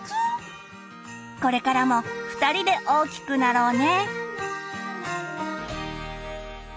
これからも２人で大きくなろうね！